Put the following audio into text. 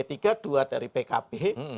dua dari pkb